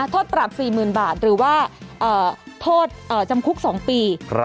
โทษปรับ๔๐๐๐บาทหรือว่าโทษจำคุก๒ปี